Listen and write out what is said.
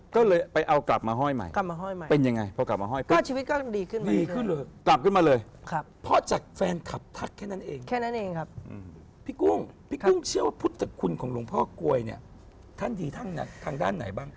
ก็เลยไปเอากลับมาห้อยใหม่เป็นอย่างไรพอกลับมาห้อยใหม่ดีขึ้นเลยเพราะจากแฟนคลับทักแค่นั้นเองพี่กุ้งเชื่อว่าพุทธคุณของหลวงพ่อกลัวเนี่ยท่านดีทางด้านไหนบ้าง